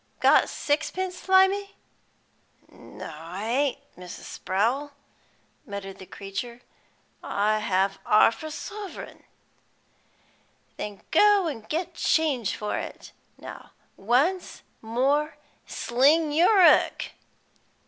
"Got sixpence, Slimy?" "No, I ain't, Mrs. Sprowl," muttered the creature. "I've got arf a suvrin." "Then go an' get change for it. Now, once more, sling yer 'ook."